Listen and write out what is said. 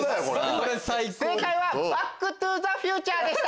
正解は『バック・トゥ・ザ・フューチャー』でした。